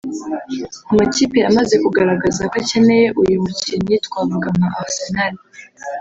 Amakipe yamaze kugaragaza ko akeneye uyu mukinnyi twavuga nka Arsenal